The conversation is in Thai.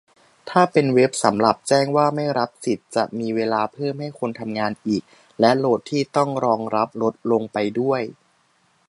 ถ้าเป็นเว็บสำหรับแจ้งว่าไม่รับสิทธิ์ จะมีเวลาเพิ่มให้คนทำงานอีก และโหลดที่ต้องรองรับลดลงไปด้วย